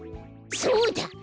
そうだ！